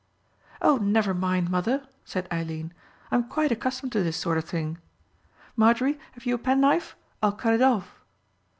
"Oh, never mind, mother," said Eileen. "I'm quite accustomed to this sort of thing.—Marjorie, have you a penknife? I'll cut it off."